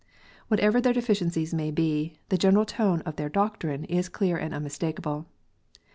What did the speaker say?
Whatever their deficiencies may be, the general tone of their doctrine is clear and unmistakable.